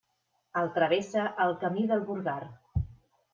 El travessa el Camí del Burgar.